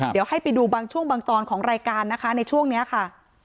เดี๋ยวให้ไปดูบางช่วงบางตอนของรายการนะคะในช่วงนี้ค่ะ